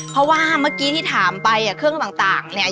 เพราะว่าเมื่อกี้ที่ถามไปเครื่องต่างเนี่ย